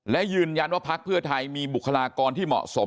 และยืนยันว่าพักเพื่อไทยมีบุคลากรที่เหมาะสม